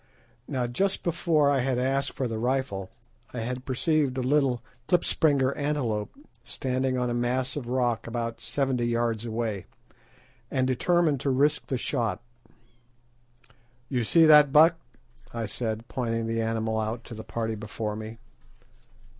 Now just before I had asked for the rifle I had perceived a little klipspringer antelope standing on a mass of rock about seventy yards away, and determined to risk the shot. "Ye see that buck," I said, pointing the animal out to the party before me.